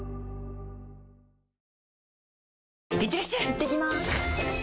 いってきます！